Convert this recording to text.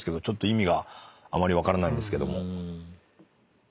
意味があまり分からないんですけども。